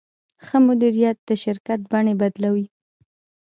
ښه مدیریت د شرکت بڼې بدلوي.